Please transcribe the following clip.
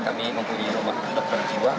kami mempunyai rumah untuk dokter jiwa